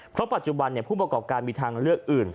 เพราะปัจจุบันผู้ประกอบการมีทางเลือกอื่น